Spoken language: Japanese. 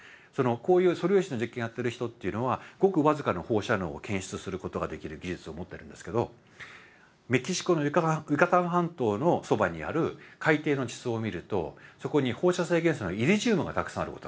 こういう素粒子の実験やってる人っていうのはごく僅かの放射能を検出することができる技術を持ってるんですけどメキシコのユカタン半島のそばにある海底の地層を見るとそこに放射性元素のイリジウムがたくさんあることが分かった。